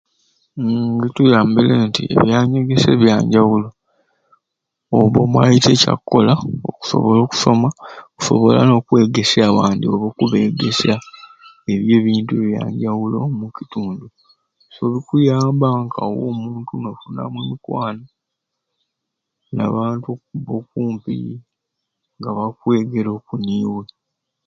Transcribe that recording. Umm bituyambire nti ebyanyegesya ebyanjawulo obba omaite ekyakkola okusobola okusoma okusobola n'okwegesya abantu oba okubeegesya ebintu ebyanjawulo omukitundu osobola okuyamba ka we omuntu n'ofunamu emikwano n'abantu okumpi nga bakwegera oku niiwe